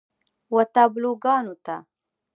و تابلوګانو ته